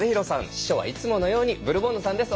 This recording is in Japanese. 秘書はいつものようにブルボンヌさんです。